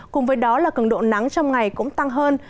cùng với đó là cường độ nắng trong ngày cũng tăng hơn